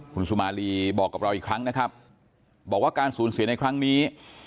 คุณสุมารีบอกกับเราอีกครั้งนะครับบอกว่าการสูญเสียในครั้งนี้